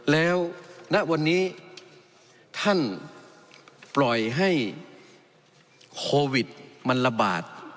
แล้วณวันนี้ท่านปล่อยให้โควิดมันระบาด